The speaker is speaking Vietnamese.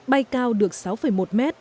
bay cao được sáu một mét